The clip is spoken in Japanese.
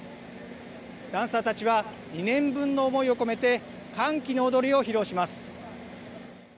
ダンサーたちは２年分の思いを込めて、歓喜の踊りを披露します。